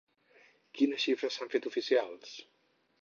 Quines xifres s'han fet oficials?